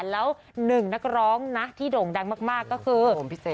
แล้วหนึ่งนักร้องนะที่โด่งดังมากก็คือ